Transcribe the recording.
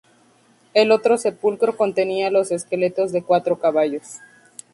El otro sepulcro contenía los esqueletos de cuatro caballos.